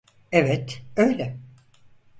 Evet, öyle.